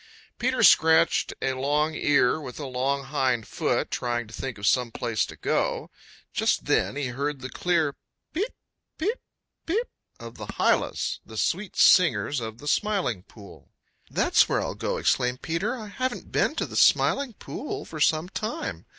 Peter scratched a long ear with a long hind foot, trying to think of some place to go. Just then he heard the clear "peep, peep, peep" of the Hylas, the sweet singers of the Smiling Pool. "That's where I'll go!" exclaimed Peter. "I haven't been to the Smiling Pool for some time.